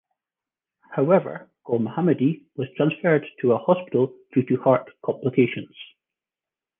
However, Golmohammadi was transferred to a hospital due to heart complications.